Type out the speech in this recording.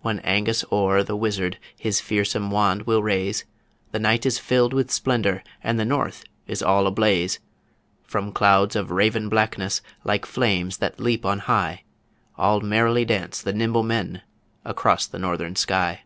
When Angus Ore, the wizard, His fearsome wand will raise, The night is filled with splendour, And the north is all ablaze; From clouds of raven blackness, Like flames that leap on high All merrily dance the Nimble Men across the Northern Sky.